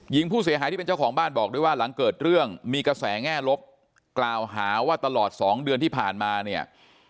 หญิงผู้เสียหายที่เป็นเจ้าของบ้านบอกด้วยว่าหลังเกิดเรื่องมีกระแสแง่ลบกล่าวหาว่าตลอดสองเดือนที่ผ่านมาเนี่ย